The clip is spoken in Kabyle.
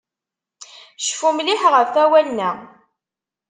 Cfu mliḥ ɣef awalen-a.